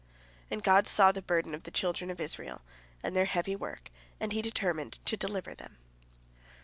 And God saw the burden of the children of Israel, and their heavy work, and He determined to deliver them.